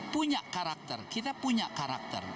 punya karakter kita punya karakter